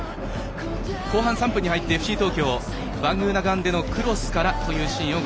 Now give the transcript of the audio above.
後半３分に入ってＦＣ東京バングーナガンデのクロスからというシーン。